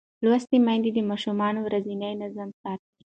لوستې میندې د ماشوم ورځنی نظم ساتي.